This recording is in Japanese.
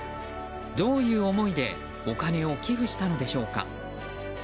どういう思いでお金を寄付したのでしょうか。